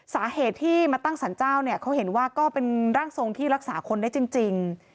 สาเหตุที่มาตั้งสรรเจ้าเนี่ยเขาเห็นว่าก็เป็นร่างทรงที่รักษาคนได้จริง